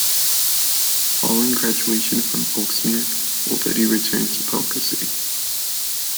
Following graduation from Oaksmere, Lydie returned to Ponca City.